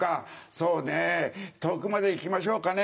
「そうね遠くまで行きましょうかね」。